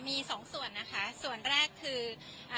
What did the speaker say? มีสองส่วนนะคะส่วนแรกคืออ่า